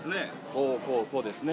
こうこうこうですね。